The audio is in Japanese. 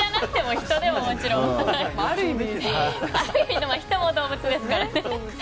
人も動物ですからね。